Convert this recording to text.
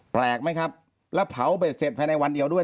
แปลกไหมครับแล้วเผาเบ็ดเสร็จภายในวันเดียวด้วย